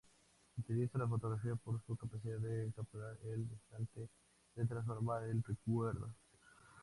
Utiliza la fotografía por su capacidad de capturar el instante, de transformar el recuerdo.